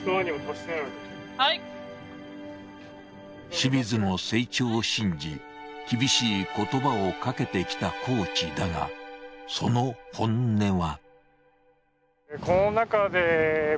清水の成長を信じ厳しい言葉をかけてきたコーチだがその本音は。